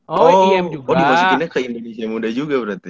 oh di masukinnya ke indonesia muda juga berarti